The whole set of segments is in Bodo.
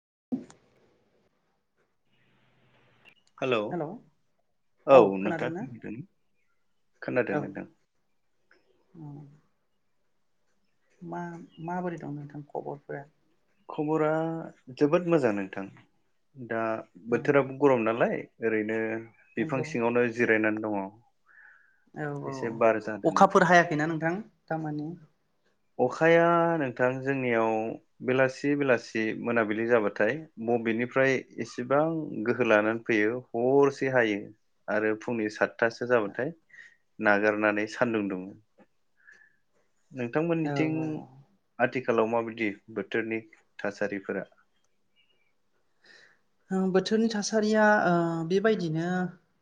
[unintelligible] हेलौ औ नोंथाङा खोनादों औ नोंथां मा माबोरै दं नोंथां खबरफोरा? खबरा जोबोद मोजां नोंथां। दा औ बोथोराबो गरम नालाय ओरैनो बिफां सिङावनो जिरायनानै दङ औ-औ एसे बार जादों नोंथां अखाफोर हायाखैना नोंथां दामानि? अखाया नोंथां जोंनियाव बेलासि बेलासि मोनाबिलि जाबाथाय बबेनिफ्राय एसेबां गोहो लानानै फैयो हरसे हायो आरो फुंनि सातथासो जाबाथाय नागारनानै सानदुं दुङो। औ नोंथांमोननिथिं औ आथिखालाव माबायदि बोथोरनि थासारिफोरा बोथोरनि थासारिया बेबायदिनो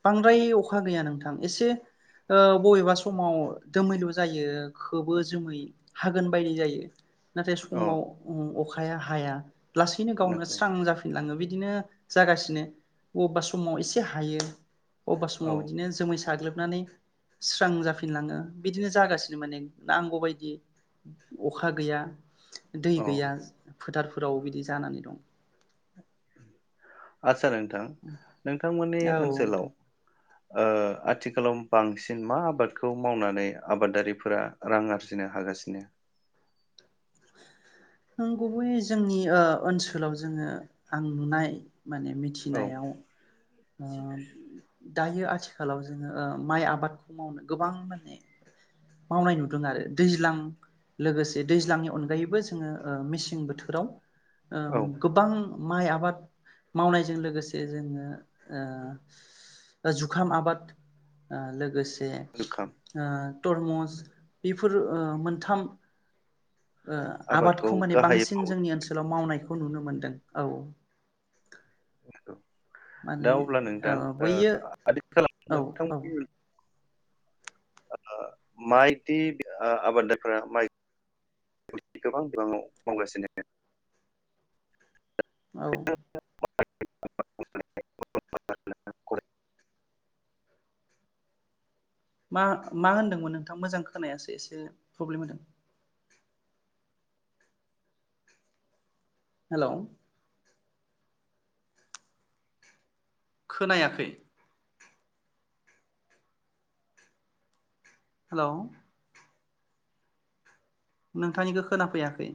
बांद्राय अखा गैया नोंथां एसे बबेबा समाव दोमैलु जायो खोबो जोमै हागोन बायदि जायो नाथाय अ समाव अखा अखाया हाया लासैनो गावनो नंगौ स्रां जाफै नाबो इदिनो जागासिनो बबेबा समाव एसे हायो बबेबा औ समाव बिदिनो जोमै साग्लोबनानै स्रां जाफिनलाङो। बिदिनो जागासिनो माने नांगौ बायदि अखा गैया। दै औ गैया। फोथारफोराव बिदि जानानै दं। आत्सा नों थां नोंथांमोननि औ नोंथां ओनसोलाव ओ आथिखालाव बांसिन मा आबादखौ मावनानै आबादारिफोरा रां आरजिनो हागासिनो? नों गुबैयै जोंनि ओ ओनसोलाव जोङो आं नुनाय माने औ मिथिनायाव ओ [unintelligible] दायो आथिखालाव जोङो ओ माइ आबादखौ मावनो गोबां माने मावनाय नुदों आरो दैज्लां लोगोसे दैज्लांनि अनगायैबो जोङो ओ मेसें बोथोराव दा औ ओम गोबां माइ आबाद मावनायजों लोगोसे जोङो ओ जुखाम आबाद ओ लोगोस जे जुखाम ओ तुरमुस बेफोर ओ मोनथाम ओ आबादखौ माने गाहायै बांसिन मावो जोंनि ओनसोलाव मावनाय खौ नुनो मोनदों औ [unintelligible] माने दा अब्ला औ नोंथां ओ बैयो आदिख [unintelligible] औ औ नोंथांनि ओ माइदि आबादारिफोरा माइ गोबां बिबाङाव मावगासिनो औ मा-मा होनदोंमोन नोंथां मोजां खोनायासै एसे प्रब्लेम होदों हेलौ खोनायाखै हेलौ नोंथांनिखौ खोनाफैयाखै